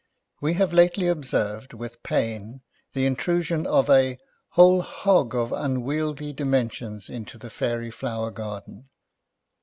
We have lately observed, with pain, the intrusion of a Whole Hog of unwieldy dimen sions into the fairy flower garden.